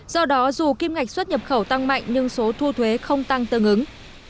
do đó dù kim ngạch xuất nhập khẩu tăng mạnh nhưng số thu thuế không tăng tương ứng